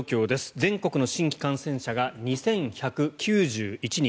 全国の新規感染者が２１９１人。